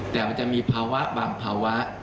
แต่มันจะมีภาวะบางภาวะ